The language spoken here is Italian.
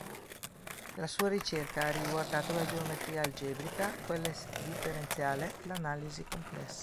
La sua ricerca ha riguardato la geometria algebrica, quella differenziale, l'analisi complessa.